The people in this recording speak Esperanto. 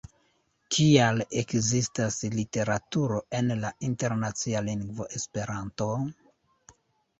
Kial ekzistas literaturo en la internacia lingvo Esperanto?